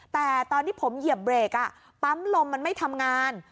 แต่ตอนที่ผมเหยียบเบรกปั๊มลมมันไม่ทำงาน